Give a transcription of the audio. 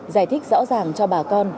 giải thích rõ ràng cho bà con